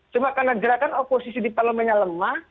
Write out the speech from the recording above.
cuma karena gerakan oposisi di parlemennya lemah